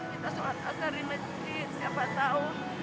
kita sholat asar di masjid siapa tahu